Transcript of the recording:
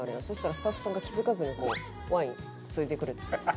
そしたらスタッフさんが気づかずにこうワインついでくれてさ。